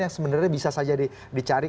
yang sebenarnya bisa saja dicari